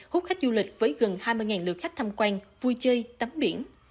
hút khách du lịch với gần hai mươi lượt khách tham quan vui chơi tắm biển